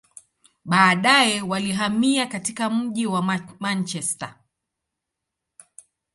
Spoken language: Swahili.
Baadaye, walihamia katika mji wa Manchester.